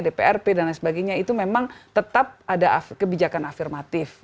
dprp dan lain sebagainya itu memang tetap ada kebijakan afirmatif